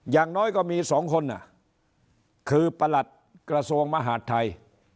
อย่างน้อยก็มี๒คนคือประหลัดกระทรวงมหาดไทย